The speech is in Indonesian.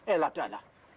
eh lah dah lah